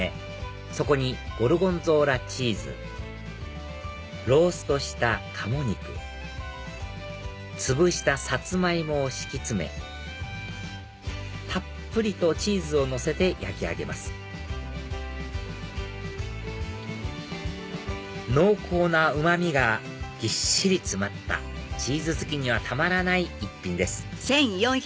そこにゴルゴンゾーラチーズローストした鴨肉つぶしたサツマイモを敷き詰めたっぷりとチーズをのせて焼き上げます濃厚なうま味がぎっしり詰まったチーズ好きにはたまらない一品です